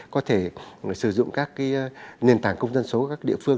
có thể sử dụng các nền tảng công dân số ở các địa phương